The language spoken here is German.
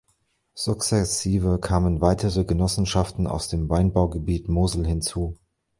Sukzessive kamen weitere Genossenschaften aus dem Weinbaugebiet Mosel hinzu.